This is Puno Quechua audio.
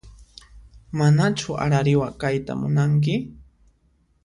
Manachu arariwa kayta munanki?